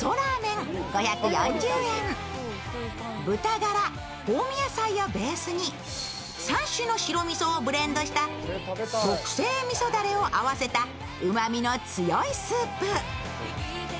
豚ガラ、香味野菜をベースに３種の白みそをブレンドした特製みそダレを合わせたうまみの強いスープ。